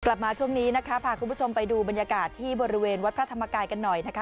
กลับมาช่วงนี้นะคะพาคุณผู้ชมไปดูบรรยากาศที่บริเวณวัดพระธรรมกายกันหน่อยนะคะ